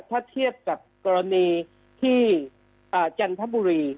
ถ้าเทียบกับกรณีที่จันทบุรี